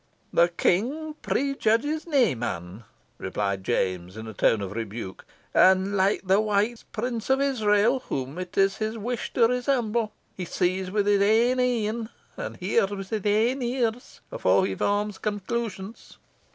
"The King prejudges nae man," replied James, in a tone of rebuke; "and like the wise prince of Israel, whom it is his wish to resemble, he sees with his ain een, and hears with his ain ears, afore he forms conclusions."